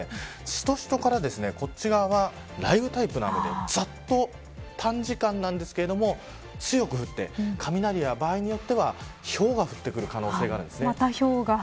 しとしとからこっち側は雷雨タイプの雨でざっと短時間ですが強く降って、雷や場合によってはひょうが降ってくる可能性があるんです。